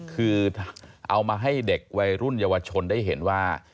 คือเอามาให้เด็กวัยรุ่นเยาวชนได้เห็นว่า